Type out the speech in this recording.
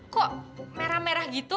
kok merah merah gitu